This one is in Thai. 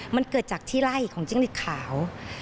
มันเกิดจากที่ไล่ของจิ้งหลีกขาว